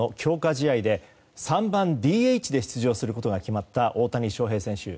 試合で３番ＤＨで出場することが決まった大谷翔平選手。